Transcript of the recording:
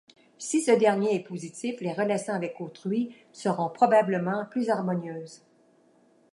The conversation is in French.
Si ce dernier est positif, les relations avec autrui seront probablement plus harmonieuses.